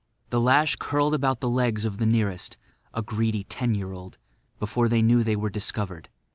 The lash curled about the legs of the nearest—a greedy ten year old—before they knew they were discovered.